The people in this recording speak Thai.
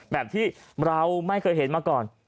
แบบที่เราไม่เคยเห็นมาก่อน